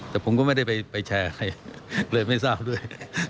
แต่ผมก็ไม่ได้ไปแชร์ใครเลยไม่ทราบด้วย